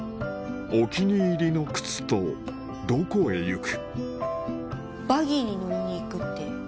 お気に入りの靴とどこへ行く？